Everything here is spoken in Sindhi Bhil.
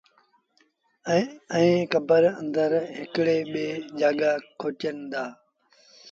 ائيٚݩ ڪبر آݩدر هڪڙيٚ ٻيٚ جآڳآ کوٽين دآ